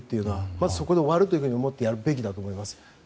まずそこで終わると思ってやるべきだと思います。